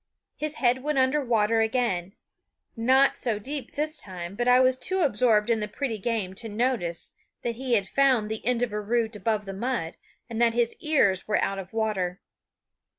His head went under water again not so deep this time; but I was too absorbed in the pretty game to notice that he had found the end of a root above the mud, and that his ears were out of water.